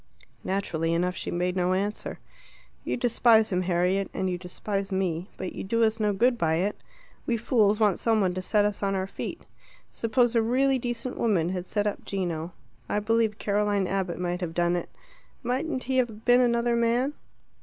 Naturally enough she made no answer. "You despise him, Harriet, and you despise me. But you do us no good by it. We fools want some one to set us on our feet. Suppose a really decent woman had set up Gino I believe Caroline Abbott might have done it mightn't he have been another man?"